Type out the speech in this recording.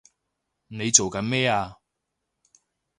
你做緊咩啊！